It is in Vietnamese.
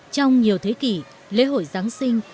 trong nhiều thế kỷ lễ hội giáng sinh